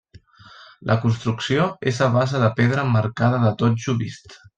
La construcció és a base de pedra emmarcada de totxo vist.